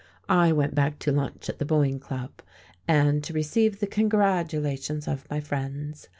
I went back to lunch at the Boyne Club, and to receive the congratulations of my friends.